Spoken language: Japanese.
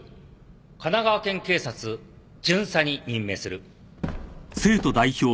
神奈川県警察巡査に任命する。